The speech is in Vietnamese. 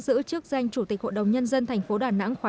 giữ chức danh chủ tịch hội đồng nhân dân thành phố đà nẵng khóa chín